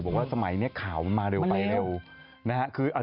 บอกว่าสมัยนี้ข่าวมันมาเร็วไปเร็ว